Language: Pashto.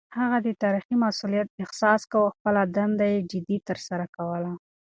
هغه د تاريخي مسووليت احساس کاوه او خپله دنده يې جدي ترسره کوله.